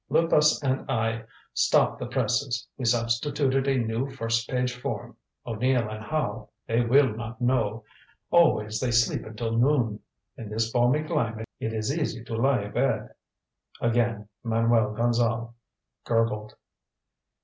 Luypas and I stopped the presses, we substituted a new first page form. O'Neill and Howe they will not know. Always they sleep until noon. In this balmy climate, it is easy to lie abed." Again Manuel Gonzale gurgled.